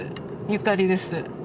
ゆかりです。